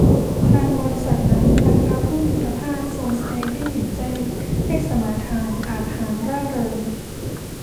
ครั้นบริษัทนั้น อันพระผู้มีพระภาคทรงแสดงให้เห็นแจ้ง ให้สมาทาน อาจหาญ ร่าเริง